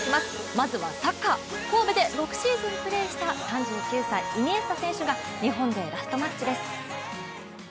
まずはサッカー、神戸で６シーズンプレーした３９歳、イニエスタ選手が日本でラストマッチです。